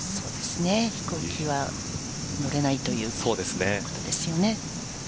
飛行機は乗れないということですよね。